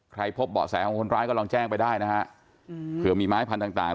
พบเบาะแสของคนร้ายก็ลองแจ้งไปได้นะฮะเผื่อมีไม้พันธุ์ต่างต่าง